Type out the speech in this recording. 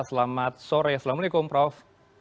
selamat sore assalamualaikum prof